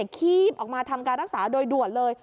คีบออกมาทำการรักษาโดยด่วนเลย